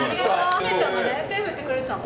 梅ちゃんが手を振ってくれてたの。